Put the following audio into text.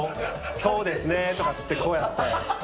そうですねーとか言って、こうやって。